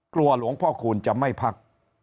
หลวงพ่อคูณจะไม่พัก